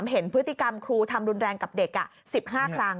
เห็นพฤติกรรมครูทำรุนแรงกับเด็ก๑๕ครั้ง